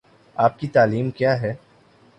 آپ کی تعلیم کیا ہے ؟